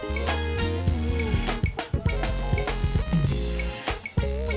karena dapur murtaz